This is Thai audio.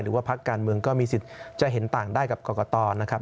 พักการเมืองก็มีสิทธิ์จะเห็นต่างได้กับกรกตนะครับ